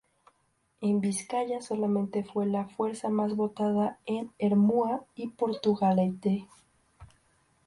En Vizcaya solamente fue la fuerza más votada en Ermua y Portugalete.